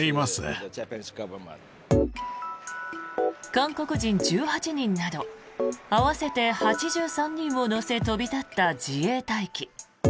韓国人１８人など合わせて８３人を乗せ飛び立った自衛隊機。